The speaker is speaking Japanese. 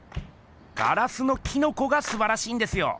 ガラスのキノコがすばらしいんですよ。